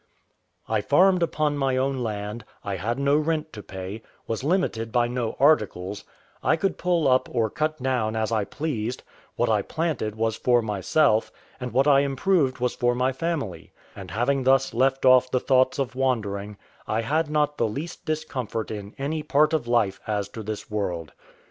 I farmed upon my own land; I had no rent to pay, was limited by no articles; I could pull up or cut down as I pleased; what I planted was for myself, and what I improved was for my family; and having thus left off the thoughts of wandering, I had not the least discomfort in any part of life as to this world.